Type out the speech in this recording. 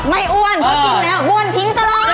อ้วนเพราะกินแล้วอ้วนทิ้งตลอด